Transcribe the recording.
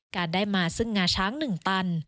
การได้มาซึ่งงาช้าง๑ตัน